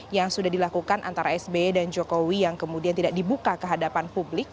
yang sudah dilakukan antara sbe dan jokowi yang kemudian tidak dibuka ke hadapan publik